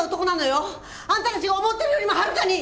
あんたたちが思ってるよりもはるかに！